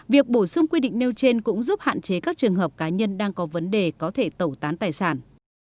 việc bổ sung quy định nêu trên cũng giúp hạn chế các trường hợp cá nhân đang có vấn đề có thể tẩu tán tài sản